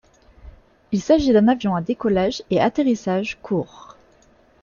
Il s'agit d'un avion à décollage et atterrissage court.